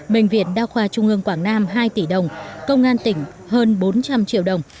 bệnh viện đa khoa trung ương quảng nam hai tỷ đồng công an tỉnh hơn bốn trăm linh triệu đồng